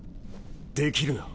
できる